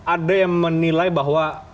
ada yang menilai bahwa